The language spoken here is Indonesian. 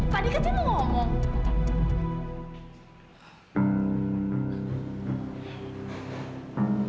pak dika dia mau ngomong